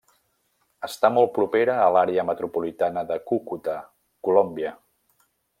Està molt propera a l'àrea metropolitana de Cúcuta, Colòmbia.